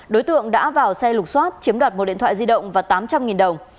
đối tượng đã vào xe lục xoát chiếm đoạt một điện thoại di động và tám trăm linh đồng